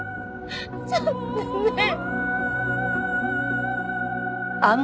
ちょっとねえ。